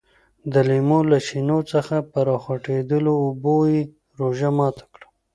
د لیمو له چینو څخه په راخوټېدلو اوبو یې روژه ماته کړه.